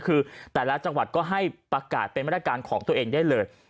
คือแต่ละจังหวัดก็ให้ประกาศเป็นมาตรการของตัวเองได้เลย